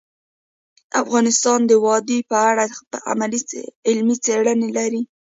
افغانستان د وادي په اړه علمي څېړنې لري.